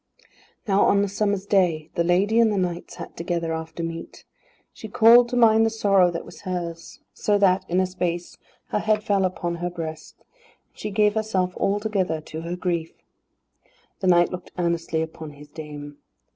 Now on a summer's day, the lady and the knight sat together after meat. She called to mind the sorrow that was hers; so that, in a space, her head fell upon her breast, and she gave herself altogether to her grief. The knight looked earnestly upon his dame.